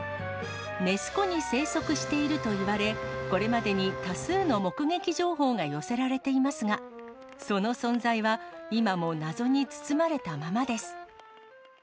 ネス湖に生息しているといわれ、これまでに多数の目撃情報が寄せられていますが、その存在は今も謎に包まれたままです。